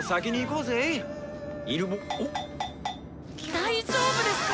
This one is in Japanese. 大丈夫ですか？